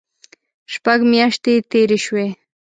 شپږ میاشتې تېرې شوې.